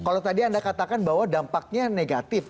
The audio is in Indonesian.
kalau tadi anda katakan bahwa dampaknya negatif